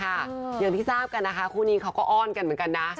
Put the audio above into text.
อย่างที่ทราบกันนะคะคู่นี้เขาก็อ้อนกันเหมือนกันนะ